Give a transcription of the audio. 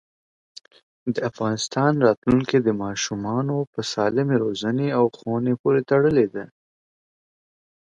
د افغانستان راتلونکی د ماشومانو په سالمې روزنې او ښوونې پورې تړلی دی.